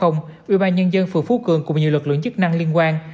ưu ba nhân dân phường phú cường cùng nhiều lực lượng chức năng liên quan